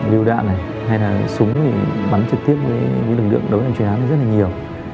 điều đạn này hay là súng thì bắn trực tiếp với lực lượng đối hành chuyên án rất là nhiều